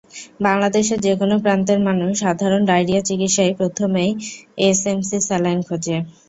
বাংলাদেশের যেকোনো প্রান্তের মানুষ সাধারণ ডায়রিয়া চিকিৎসায় প্রথমেই এসএমসির স্যালাইন খোঁজে।